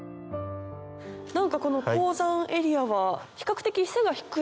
何かこの高山エリアは比較的。